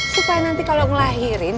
supaya nanti kalau ngelahirin